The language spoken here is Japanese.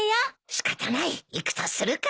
仕方ない行くとするか。